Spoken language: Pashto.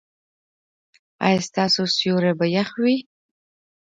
ایا ستاسو سیوري به يخ وي؟